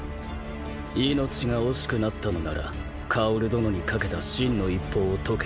命が惜しくなったのなら薫殿にかけた「心の一方」を解け。